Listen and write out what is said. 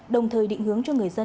đồng thời định hướng cho người dân